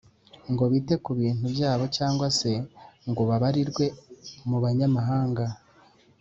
Ngo bite ku bintu byabo cyangwa se ngo babarirwe mu banyamahanga